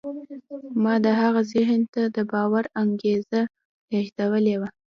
ما د هغه ذهن ته د باور انګېزه لېږدولې وه.